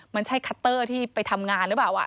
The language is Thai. มันใช่คัตเตอร์ที่ไปทำงานหรือเปล่า